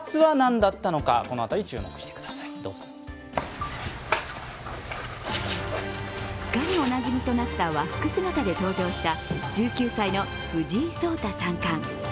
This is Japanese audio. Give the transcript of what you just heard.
すっかりおなじみとなった和服姿で登場した１９歳の藤井聡太三冠。